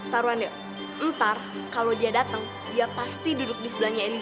taruhan ya ntar kalau dia dateng dia pasti duduk di sebelahnya ini